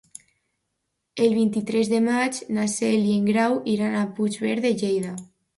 El vint-i-tres de maig na Cel i en Grau iran a Puigverd de Lleida.